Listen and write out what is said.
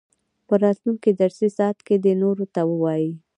په راتلونکي درسي ساعت کې دې نورو ته ووايي.